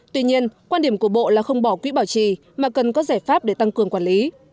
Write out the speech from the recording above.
tuy nhiên quan điểm của bộ là không bỏ quỹ bảo trì mà cần có giải pháp để tăng cường quản lý